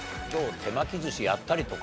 手巻き寿司やったりとか？